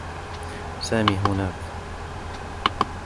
سامي هناك.